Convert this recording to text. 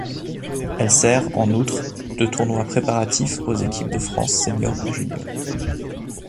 Elle sert, en outre, de tournoi préparatif aux Équipes de France senior et junior.